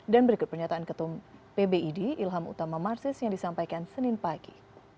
dan berikut pernyataan ketua pbid ilham utama marsis yang disampaikan senin pagi